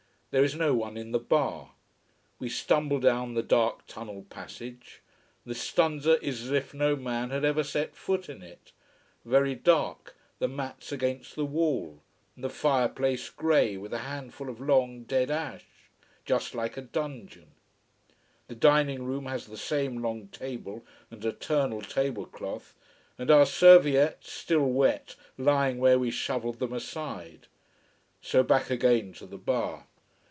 There is no one in the bar. We stumble down the dark tunnel passage. The stanza is as if no man had ever set foot in it: very dark, the mats against the wall, the fire place grey with a handful of long dead ash. Just like a dungeon. The dining room has the same long table and eternal table cloth and our serviettes, still wet, lying where we shovelled them aside. So back again to the bar.